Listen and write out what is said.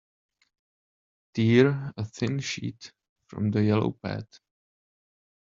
Tear a thin sheet from the yellow pad.